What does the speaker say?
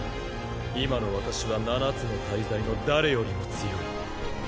今の私は七つの大罪の誰よりも強い。